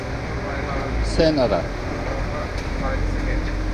Sen ara.